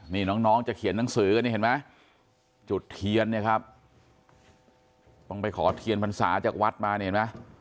นี่น้องจะเขียนหนังสือกันนี่เห็นไหมจุดเทียนเนี่ยครับต้องไปขอเทียนพรรษาจากวัดมาเนี่ยเห็นไหม